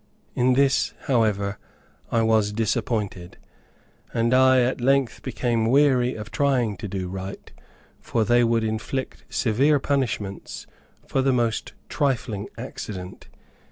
In this, however, I was disappointed; and I at length became weary of trying to do right, for they would inflict severe punishments for the most trifling accident.